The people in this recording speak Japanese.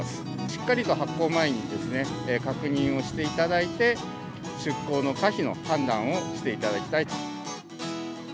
しっかりと発航前に確認をしていただいて、出航の可否の判断をしていただきたいと。